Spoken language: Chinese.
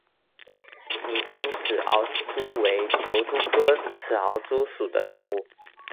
拟珍齿螯蛛为球蛛科齿螯蛛属的动物。